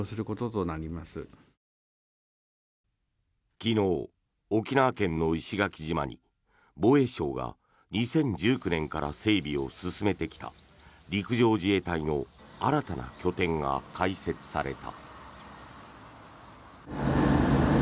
昨日、沖縄県の石垣島に防衛省が２０１９年から整備を進めてきた陸上自衛隊の新たな拠点が開設された。